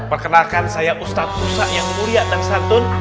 perkenalkan saya ustadz musa yang mulia dan santun